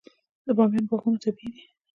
د بامیان باغونه طبیعي دي.